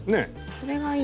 それがいい。